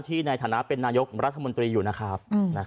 ในฐานะเป็นนายกรัฐมนตรีอยู่นะครับ